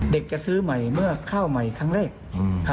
จะซื้อใหม่เมื่อข้าวใหม่ครั้งแรก